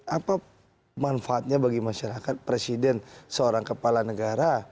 apa manfaatnya bagi masyarakat presiden seorang kepala negara